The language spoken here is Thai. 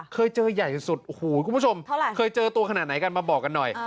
เคยเจอใหญ่สุดโอ้โหคุณผู้ชมเคยเจอตัวขนาดไหนกันมาบอกกันหน่อย